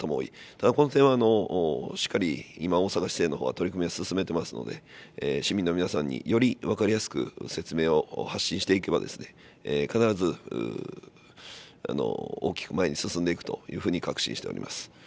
ただ、この点はしっかり今、大阪市政のほうは取り組みを進めてますので、市民の皆さんにより分かりやすく説明を発信していけば、必ず大きく前に進んでいくというふうに確信しております。